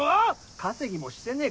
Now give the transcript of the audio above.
稼ぎもしてねえ